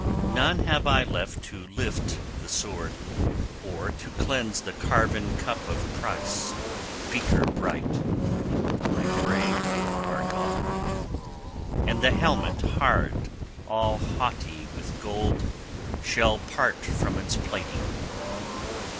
None have I left to lift the sword, or to cleanse the carven cup of price, beaker bright. My brave are gone. And the helmet hard, all haughty with gold, shall part from its plating.